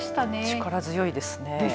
力強いですね。